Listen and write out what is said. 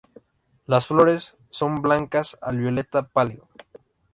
Las flores son blancas al violeta-pálido.